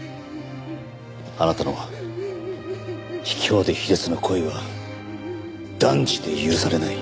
あなたの卑怯で卑劣な行為は断じて許されない。